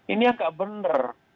ini agak benar